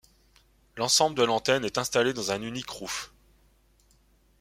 L'ensemble de l'antenne est installée dans un unique rouf.